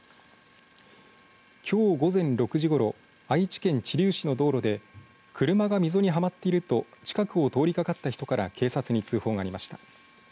きょう午前６時ごろ愛知県知立市の道路で車が溝にはまっていると近くを通りかかった人から警察に通報がありました。